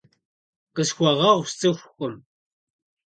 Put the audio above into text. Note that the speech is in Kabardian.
Къысхуэгъуэгъу, сцӏыхукъым.